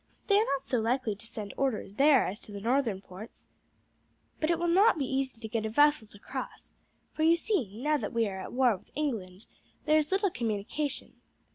"They are not so likely to send orders there as to the northern ports. But it will not be easy to get a vessel to cross, for you see, now that we are at war with England, there is little communication.